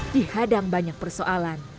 dihadang banyak persoalan